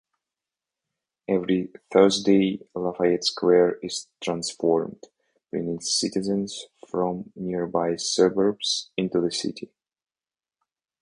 Every Thursday Lafayette Square is transformed, bringing citizens from nearby suburbs into the city.